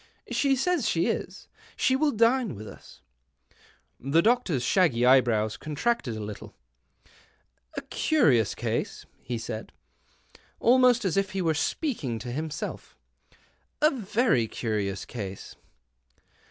She says she is. She will dine with us." The doctor's shaggy eyebrows contracted a little. " A curious case," he said, almost as if he were speaking to himself, " a very curious case."